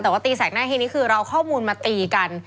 แต่ว่าตีแสกหน้าทีนี้คือเราเอาข้อมูลมาตีกัน